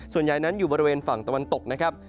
ส่วนใหญ่นั้นอยู่บริเวณฝั่งตะวันตกนะครับ